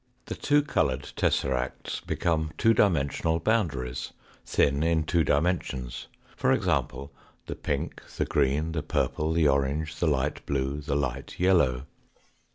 The two coloured tesseracts become two dimensional boundaries, thin in two dimensions, e.g., the pink, the green, the purple, the orange, the light blue, the light yellow.